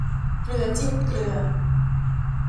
เกลือจิ้มเกลือ